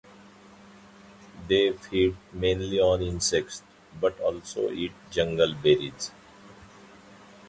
They feed mainly on insects, but also eat jungle berries.